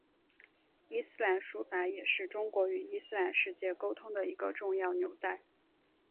伊斯兰书法也是中国与伊斯兰世界沟通的一个重要纽带。